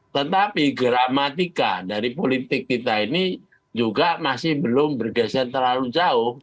tetapi gramatika dari politik kita ini juga masih belum bergeser terlalu jauh